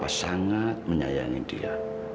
papa sangat menyayangi dia